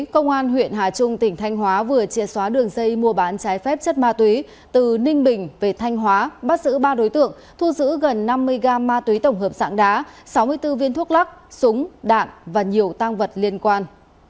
công an huyện hà trung tỉnh thanh hóa vừa chia xóa đường dây mua bán trái phép chất ma túy từ ninh bình về thanh hóa bắt giữ ba đối tượng thu giữ gần năm mươi gam ma túy tổng hợp sạng đá sáu mươi bốn viên thuốc lắc súng đạn và nhiều tăng vật liên quan